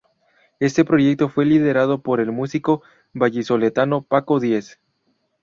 Este proyecto fue liderado por el músico vallisoletano Paco Diez.